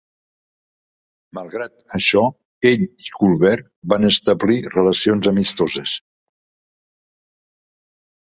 Malgrat això, ell i Culver van establir relacions amistoses.